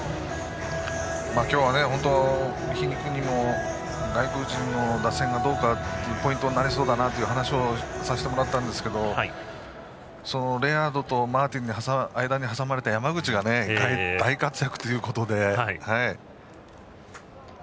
今日は本当に皮肉にも外国人打線がポイントになりそうだなという話をさせてもらったんですがレアードとマーティンの間に挟まれた山口が大活躍ということでね。